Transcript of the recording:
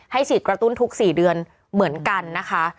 ฉีดกระตุ้นทุก๔เดือนเหมือนกันนะคะ